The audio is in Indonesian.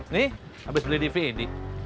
nih habis beli dvd